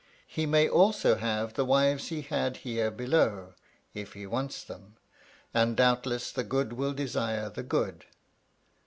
He may also have the wives he had here below, if he wants them; and doubtless the good will desire the good.